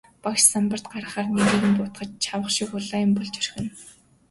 Багш самбарт гаргахаар нэрийг нь дуудахад л чавга шиг улаан юм болж орхино.